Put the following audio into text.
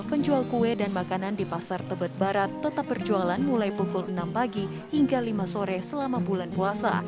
penjual kue dan makanan di pasar tebet barat tetap berjualan mulai pukul enam pagi hingga lima sore selama bulan puasa